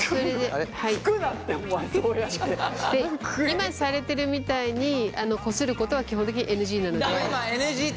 今されてるみたいにこすることは基本的にＮＧなので。